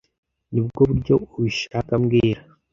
Nibwo buryo ubishaka mbwira